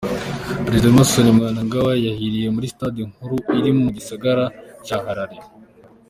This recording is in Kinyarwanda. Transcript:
Perezida Emmerson Mnangagwa yarahiriye muri sitade nkuru iri mu gisagara ca Harare.